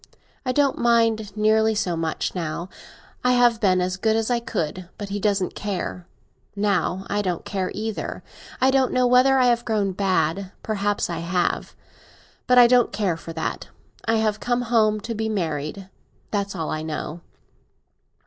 I don't mind nearly so much now. I have been as good as I could, but he doesn't care. Now I don't care either. I don't know whether I have grown bad; perhaps I have. But I don't care for that. I have come home to be married—that's all I know.